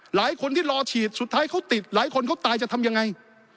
หลายคนที่รอฉีดสุดท้ายเขาติดหลายคนเขาตายจะทำยังไง